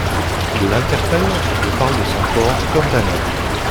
Il l'interpelle et lui parle de son porc comme d'un âne.